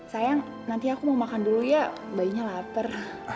sayang nanti aku mau makan dulu ya bayinya lapar